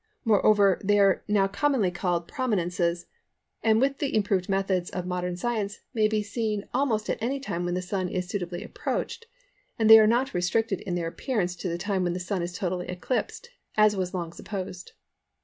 Moreover, they are now commonly called "Prominences," and with the improved methods of modern science may be seen almost at any time when the Sun is suitably approached; and they are not restricted in their appearance to the time when the Sun is totally eclipsed as was long supposed.